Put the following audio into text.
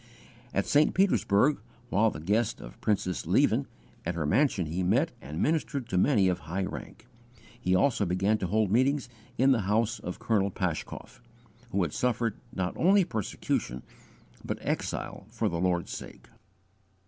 At St. Petersburg, while the guest of Princess Lieven, at her mansion he met and ministered to many of high rank; he also began to hold meetings in the house of Colonel Paschkoff, who had suffered not only persecution but exile for the Lord's sake.